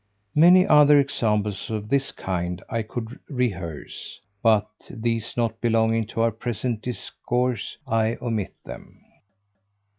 Many other examples of this kind I could rehearse; but these not belonging to our present discourse, I omit them.